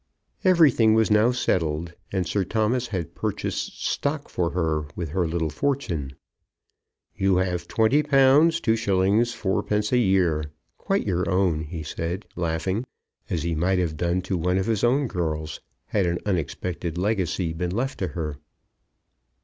Everything was now settled, and Sir Thomas had purchased stock for her with her little fortune. "You have £20 2_s._ 4_d._ a year, quite your own," he said, laughing; as he might have done to one of his own girls, had an unexpected legacy been left to her.